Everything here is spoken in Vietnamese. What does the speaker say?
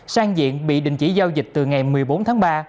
sang diện bị đình chỉ giao dịch từ ngày một mươi bốn tháng ba